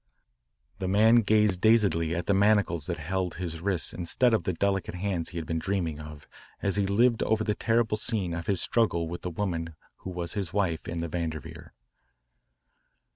The man gazed dazedly at the manacles that held his wrists instead of the delicate hands he had been dreaming of as he lived over the terrible scene of his struggle with the woman who was his wife in the Vanderveer.